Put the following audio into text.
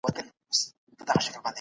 بې ځایه هیلي نه پالل کېږي.